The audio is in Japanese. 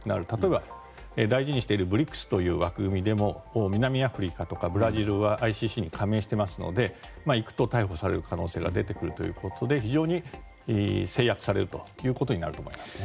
例えば、大事にしているＢＲＩＣＳという枠組みでも南アフリカとかブラジルはＩＣＣに加盟していますので行くと逮捕される可能性が出てくるということで非常に制約されることになると思います。